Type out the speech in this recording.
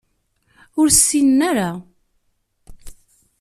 Ur ssinen ara.